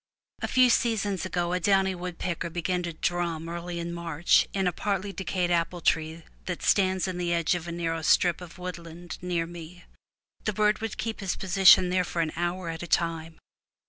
A few seasons ago a downy woodpecker began to drum early 261 MY BOOK HOUSE in March in a partly decayed apple tree that stands in the edge of a narrow strip of woodland near me. The bird would keep his position there for an hour at a time.